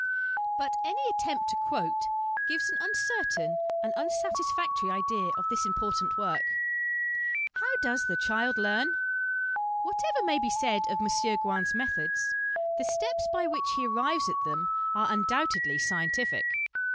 But any attempt to quote gives an uncertain and unsatisfactory idea of this important work. How does the Child learn ? Whatever may be said of M. Gouin's methods, the steps by which he arrives at them are undoubtedly scientific.